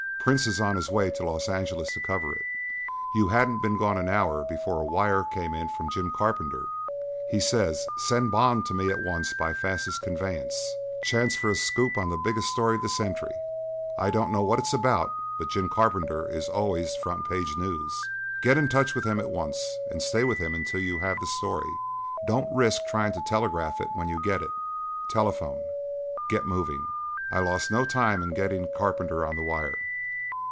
Prince is on his way to Los Angeles to cover it. You hadn't been gone an hour before a wire came in from Jim Carpenter. He says, 'Send Bond to me at once by fastest conveyance. Chance for a scoop on the biggest story of the century.' I don't know what it's about, but Jim Carpenter is always front page news. Get in touch with him at once and stay with him until you have the story. Don't risk trying to telegraph it when you get it telephone. Get moving!" I lost no time in getting Carpenter on the wire.